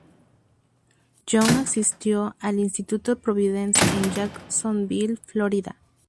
Young asistió al instituto Providence en Jacksonville, Florida.